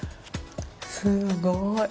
すごい。